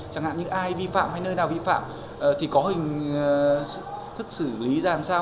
chẳng hạn như ai vi phạm hay nơi nào vi phạm thì có hình thức xử lý ra làm sao